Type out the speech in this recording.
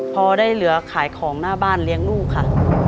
พอได้เหลือขายของหน้าบ้านเลี้ยงลูกค่ะ